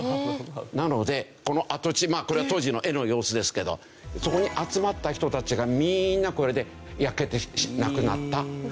なのでこの跡地まあこれは当時の絵の様子ですけどそこに集まった人たちがみんなこれで焼けて亡くなったという事が起きると。